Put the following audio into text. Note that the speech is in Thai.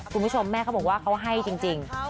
คุณผู้ชมแม่เขาบอกว่าเขาให้จริง